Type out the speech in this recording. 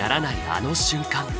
あの瞬間。